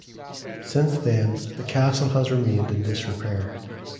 Since then the castle has remained in disrepair.